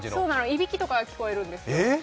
いびきとかが聞こえるんですよ。